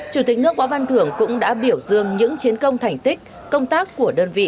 chủ tịch nước võ văn thưởng cũng đã biểu dương những chiến công thành tích công tác của đơn vị